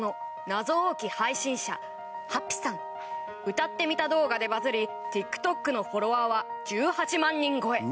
歌ってみた動画でバズりＴｉｋＴｏｋのフォロワーは１８万人超え。